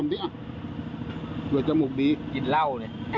พี่ว่าใช่มั้ย